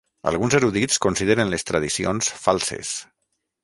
Alguns erudits consideren les tradicions falses.